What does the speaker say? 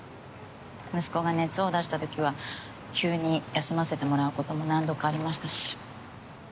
息子が熱を出したときは急に休ませてもらうことも何度かありましたし。